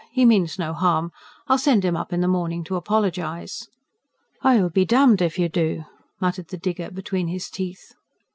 He means no harm. I'll send him up in the morning, to apologise." ("I'll be damned if you do!" muttered the digger between his teeth.)